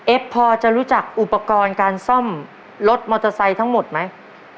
พอจะรู้จักอุปกรณ์การซ่อมรถมอเตอร์ไซค์ทั้งหมดไหม